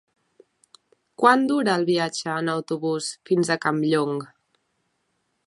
Quant dura el viatge en autobús fins a Campllong?